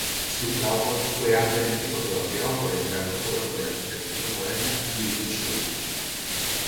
Su trabajo fue ampliamente fotografiado por el gran fotógrafo de arquitectura moderna Julius Shulman.